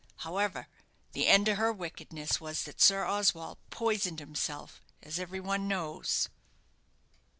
However, the end of her wickedness was that Sir Oswald poisoned himself, as every one knows."